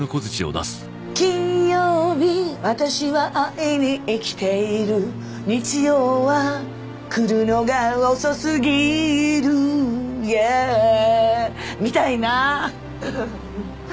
金曜日私は愛に生きている日曜は来るのが遅すぎるイエーみたいなはははっ